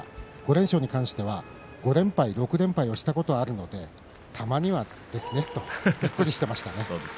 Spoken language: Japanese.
５連勝に関しては５連敗、６連敗はしたことがあるのでたまにはですねとにっこりしていました。